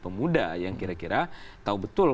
pemuda yang kira kira tahu betul